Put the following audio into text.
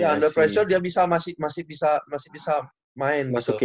under pressure dia masih bisa main